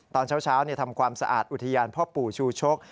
ตอนเช้าทำความสะอาดอุทยานพ่อปู่ชูชก